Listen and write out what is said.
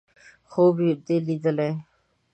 _خوب دې ليدلی!